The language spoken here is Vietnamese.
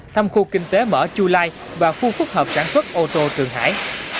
thăm khu kinh tế mở chu lai và khu phức hợp sản xuất ô tô trường hải